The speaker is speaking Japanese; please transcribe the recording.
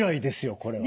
これは。